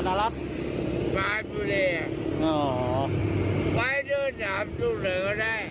ให้ดูทำดูเหลือก็ได้